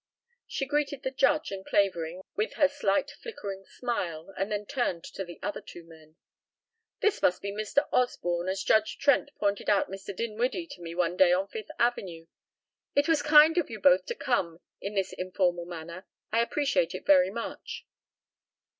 She greeted the Judge and Clavering with her slight flickering smile and then turned to the other two men. "This must be Mr. Osborne, as Judge Trent pointed out Mr. Dinwiddie to me one day on Fifth Avenue. It was kind of you both to come in this informal manner. I appreciate it very much."